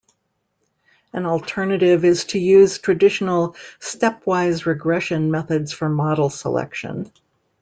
An alternative is to use traditional Stepwise regression methods for model selection.